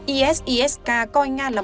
is isk coi nga là một